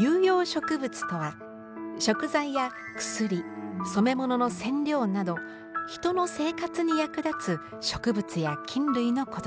有用植物とは食材や薬染め物の染料など人の生活に役立つ植物や菌類のことです。